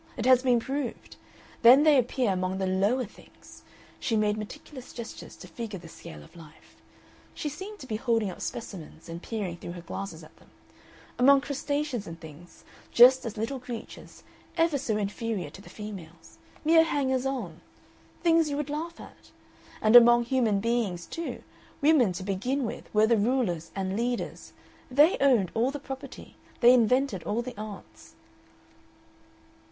It has been proved. Then they appear among the lower things" she made meticulous gestures to figure the scale of life; she seemed to be holding up specimens, and peering through her glasses at them "among crustaceans and things, just as little creatures, ever so inferior to the females. Mere hangers on. Things you would laugh at. And among human beings, too, women to begin with were the rulers and leaders; they owned all the property, they invented all the arts.